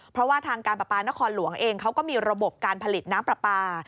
เพราะว่าทางการประปานครหลวงเองเขาก็มีระบบการผลิตน้ำปลาปลา